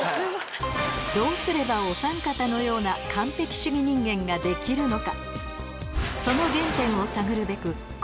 どうすればおさん方のような完璧主義人間ができるのか？